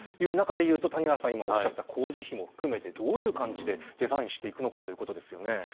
谷原さんが今おっしゃった工事費も含めどういう感じでデザインしていくのかですね。